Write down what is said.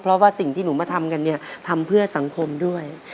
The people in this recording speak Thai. เพราะว่าสิ่งที่หนูมาทำกันเนี่ยทำเพื่อสังคมด้วย